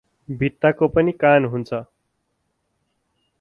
भित्ताको पनि कान हुन्छ